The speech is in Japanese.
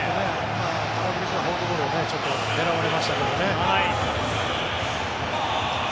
空振りしたフォークボールを狙われましたけどね。